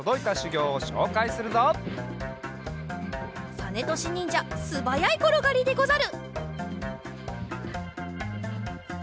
さねとしにんじゃすばやいころがりでござる！